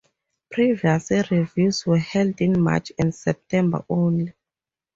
Previously reviews were held in March and September only.